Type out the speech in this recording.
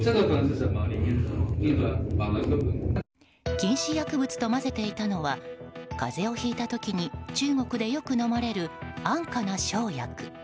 禁止薬物と混ぜていたのは風邪をひいた時に中国でよく飲まれる安価な生薬。